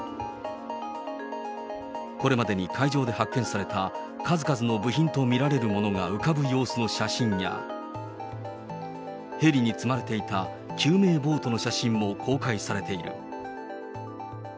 これまでに海上で発見された数々の部品と見られるものが浮かぶ様子の写真や、ヘリに積まれていた救命ボートの写真も公開されている。